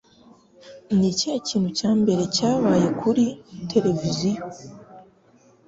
ni ikihe kintu cya mbere cyabaye kuri televiziyo?